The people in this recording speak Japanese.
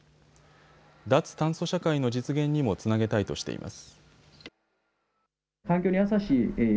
脱炭素社会の実現にもつなげたいとしています。